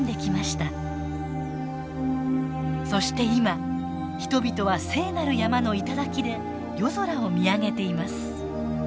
そして今人々は聖なる山の頂で夜空を見上げています。